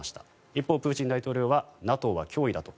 一方、プーチン大統領はＮＡＴＯは脅威だと。